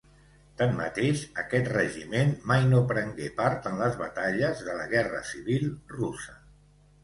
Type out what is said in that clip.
Tanmateix, aquest regiment mai no prengué part en les batalles de la Guerra Civil Russa.